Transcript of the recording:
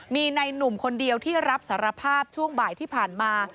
มีในหนุ่มคนเดียวที่รับสารภาพช่วงบ่ายที่ผ่านมา